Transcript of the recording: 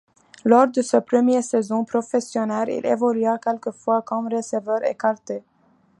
Lors de ces premières saisons professionnelles, il évolua quelques fois comme receveur écarté.